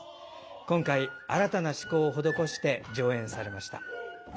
今回新たな趣向を施して上演されました。